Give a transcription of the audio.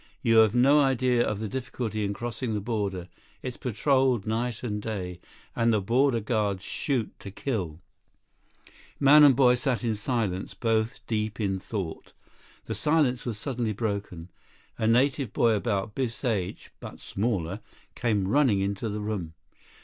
"You have no idea of the difficulty in crossing the border. It's patroled night and day. And the border guards shoot to kill." 48 Man and boy sat in silence, both deep in thought. The silence was suddenly broken. A native boy about Biff's age, but smaller, came running into the room.